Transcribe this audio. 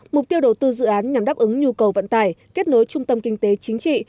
mục tiêu đầu tư dự án nhằm đáp ứng nhu cầu vận tải kết nối trung tâm kinh tế chính trị